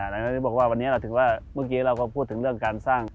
เราสร้างกันหรือยัง